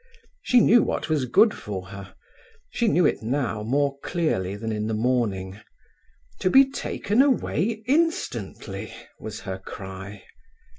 She knew what was good for her; she knew it now more clearly than in the morning. To be taken away instantly! was her cry.